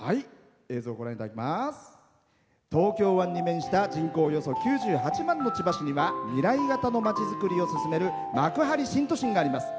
東京湾に面した人口およそ９８万の千葉市には未来型のまちづくりを進める幕張新都心があります。